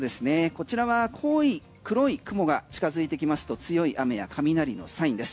こちらは黒い雲が近づいてきますと強い雨や雷のサインです。